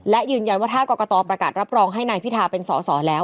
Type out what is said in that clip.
และยืนยันว่าถ้ากรกตประกาศรับรองให้นายพิธาเป็นสอสอแล้ว